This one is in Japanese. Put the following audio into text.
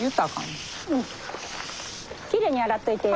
きれいに洗っといてや。